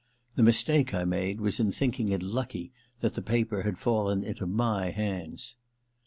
The mistake I made was in thinking it lucky that the paper had fallen into my hands.